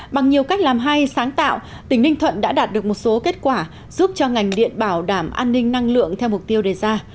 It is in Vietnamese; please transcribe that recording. bằng nhiều cách làm hay sáng tạo tỉnh ninh thuận đã đạt được một số kết quả giúp cho ngành điện bảo đảm an ninh năng lượng theo mục tiêu đề ra